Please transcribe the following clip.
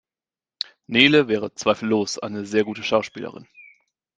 Nele wäre zweifellos eine sehr gute Schauspielerin.